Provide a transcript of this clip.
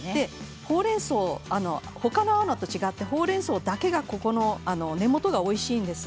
ほうれんそうほかの青菜と違ってほうれんそうだけが根元がおいしいです。